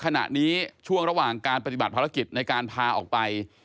ขณะนี้ช่วงระหว่างการปฏิบัติภารกิจในการพาออกไป